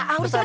ah udah cepet